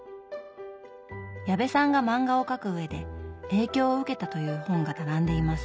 矢部さんが漫画を描くうえで影響を受けたという本が並んでいます。